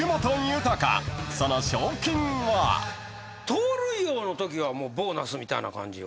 盗塁王のときはボーナスみたいな感じは。